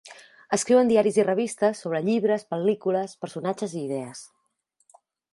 Escriu en diaris i revistes sobre llibres, pel·lícules, personatges i idees.